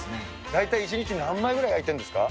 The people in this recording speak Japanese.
大体１日に何枚ぐらい焼いているんですか。